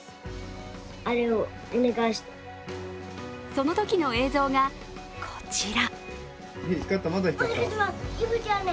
そのときの映像がこちら。